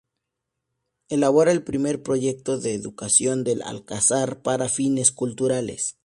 Elabora el primer proyecto de adecuación del Alcázar para fines culturales.